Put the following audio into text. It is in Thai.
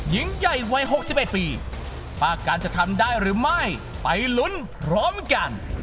ยิงใหญ่วัยหกสิบเอ็ดปีประกันจะทำได้หรือไม่ไปลุ้นพร้อมกัน